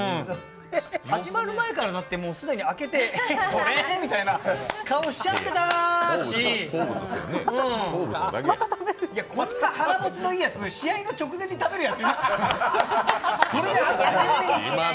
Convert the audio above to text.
始まる前から既に開けて、えこれって顔しちゃってたし、こんな腹もちのいいやつ試合の直前に食べるやついます？